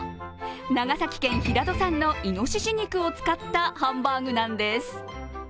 長崎県平戸産のいのしし肉を使ったハンバーグなんです。